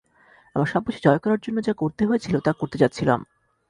আমরা সবকিছু জয় করার জন্য যা করতে হয়েছিল তা করতে যাচ্ছিলাম।